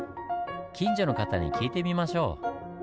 近所の方に聞いてみましょう。